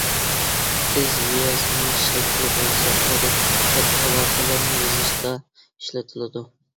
تېز يازما شەكلى بولسا ئادەتتىكى خەت-ئالاقىلەرنى يېزىشتا ئىشلىتىلىدۇ.